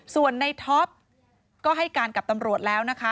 ส่วนในท็อปก็ให้การกับตำรวจแล้วนะคะ